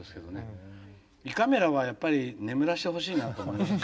胃カメラはやっぱり眠らせてほしいなと。